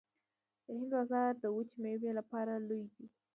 د هند بازار د وچې میوې لپاره لوی دی